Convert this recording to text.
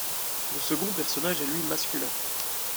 Le second personnage est lui masculin.